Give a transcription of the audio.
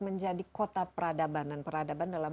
menjadi kota peradaban dan peradaban dalam